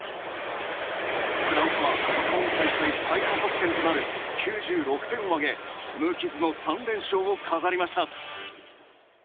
フランスは今大会最多得点となる９６点を挙げ無傷の３連勝を飾りました。